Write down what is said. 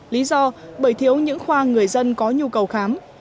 lý do bởi thiếu những khoa người dân có nhu cầu khám